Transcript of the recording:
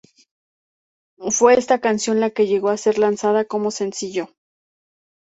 Fue esta canción la que llegó a ser lanzada como sencillo.